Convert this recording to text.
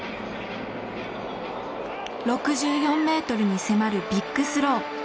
６４ｍに迫るビッグスロー。